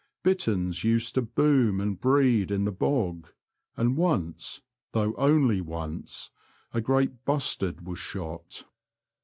Bitterns used to boom and breed in the bog, and once, though only once, a great bustard was shot.